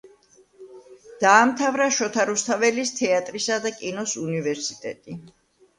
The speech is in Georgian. დაამთავრა შოთა რუსთაველის თეატრისა და კინოს უნივერსიტეტი.